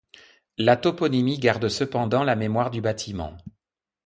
La toponymie garde cependant la mémoire du bâtiment.